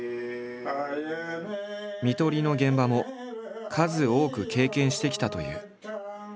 看取りの現場も数多く経験してきたという。